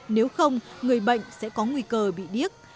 nếu không người bệnh sẽ có nguy cơ bị điếc